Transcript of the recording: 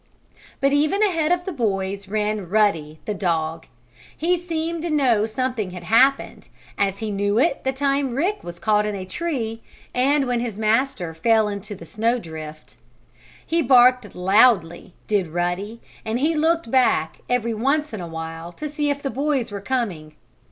But even ahead of the boys ran Ruddy, the dog. He seemed to know something had happened, as he knew it the time Rick was caught in the tree, and when his master fell into the snow drift. He barked loudly, did Ruddy, and he looked back, every once in a while to see if the boys were coming.